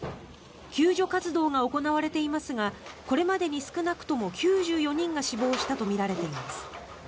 救助活動が行われていますがこれまでに少なくとも９４人が死亡したとみられています。